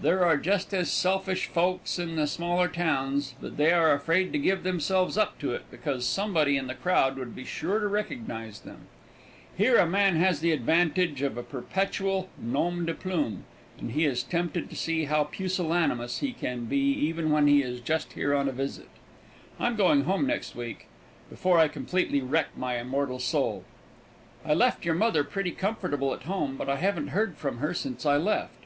There are just as selfish folks in the smaller towns, but they are afraid to give themselves up to it, because somebody in the crowd would be sure to recognize them. Here a man has the advantage of a perpetual nom de plume, and he is tempted to see how pusillanimous he can be even when he is just here on a visit. I'm going home next week, before I completely wreck my immortal soul. I left your mother pretty comfortable at home, but I haven't heard from her since I left.